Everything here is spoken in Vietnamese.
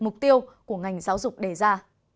mục tiêu của ngành giáo dục đề ra